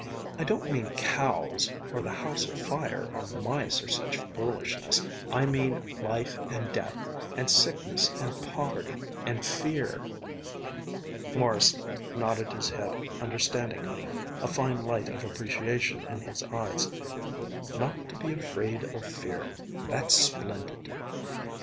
I don't mean cows, or the house afire, or mice, or such foolishness. I mean life and death, and sickness and poverty and fear...." Morrison nodded his head understandingly, a fine light of appreciation in his eyes, "Not to be afraid of fear that's splendid."